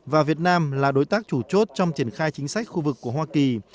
và việt nam là đối tác chủ chốt trong triển khai chính sách khu vực của hoa kỳ